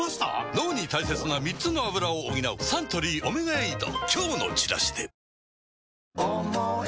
脳に大切な３つのアブラを補うサントリー「オメガエイド」